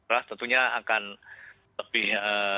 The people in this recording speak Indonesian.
nah tentunya akan lebih